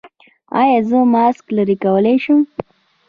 ایا زه ماسک لرې کولی شم؟